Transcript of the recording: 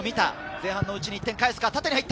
前半のうちに１点返すか。